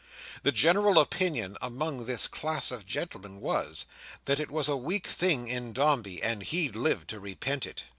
The general opinion among this class of gentlemen was, that it was a weak thing in Dombey, and he'd live to repent it.